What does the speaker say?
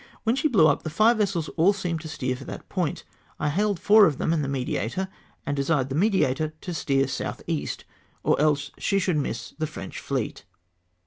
When she blew up, the fire vessels all seemed to steer for that point. I hailed four of them, and the Mediator, and desired the Mediator to steer south east, or else she would miss the French fieet."'